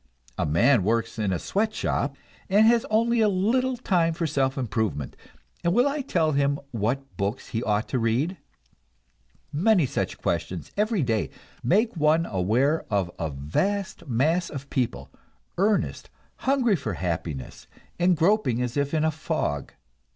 A man works in a sweatshop, and has only a little time for self improvement, and will I tell him what books he ought to read? Many such questions every day make one aware of a vast mass of people, earnest, hungry for happiness, and groping as if in a fog.